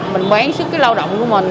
mình bán sức cái lao động của mình